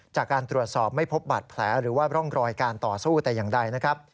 จากการตรวจสอบไม่พบบาดแผลหรือว่าร่องรอยการต่อสู้แต่อย่างใดนะครับ